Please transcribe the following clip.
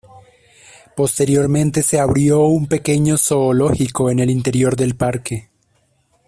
Posteriormente, se abrió un pequeño zoológico en el interior del parque.